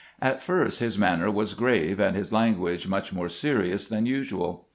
At first his manner was grave and his language much more serious than usual.